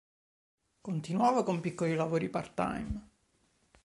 Continuava con piccoli lavori part-time.